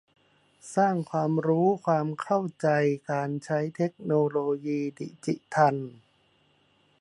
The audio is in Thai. สร้างความรู้ความเข้าใจการใช้เทคโนโลยีดิจิทัล